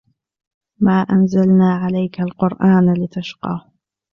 ما أنزلنا عليك القرآن لتشقى